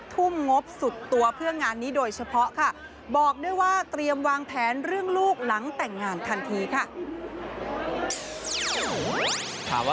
ชุดเชิดอะไรแล้วก็ได้เกือบครบแล้ว